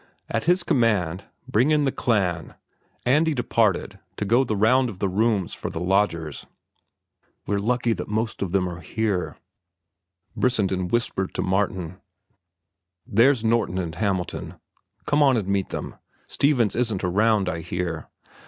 At his command, "Bring in the clan," Andy departed to go the round of the rooms for the lodgers. "We're lucky that most of them are here," Brissenden whispered to Martin. "There's Norton and Hamilton; come on and meet them. Stevens isn't around, I hear.